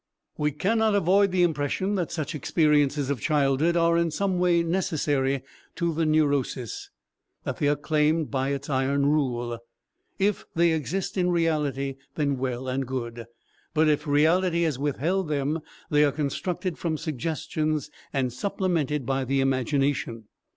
We cannot avoid the impression that such experiences of childhood are in some way necessary to the neurosis, that they are claimed by its iron rule. If they exist in reality, then well and good, but if reality has withheld them they are constructed from suggestions and supplemented by the imagination.